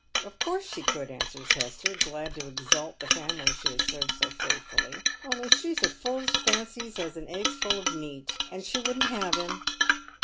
" Of course she could," answers Hester, glad to exalt the family she has served so faithfully. " Only she's as full of fancies as an egg's full of meat, and she wouldn't have him."